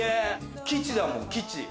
基地だもん基地。